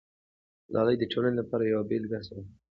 ملالۍ د ټولنې لپاره یوه بېلګه سوه.